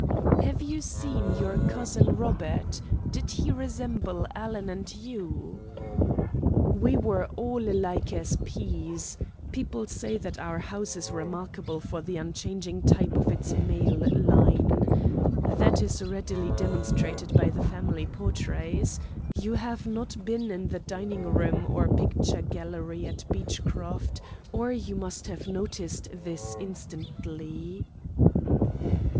"Have you seen your cousin Robert? Did he resemble Alan and you?" "We were all as like as peas. People say that our house is remarkable for the unchanging type of its male line. That is readily demonstrated by the family portraits. You have not been in the dining room or picture gallery at Beechcroft, or you must have noticed this instantly."